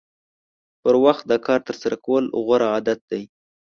پر وخت د کار ترسره کول غوره عادت دی.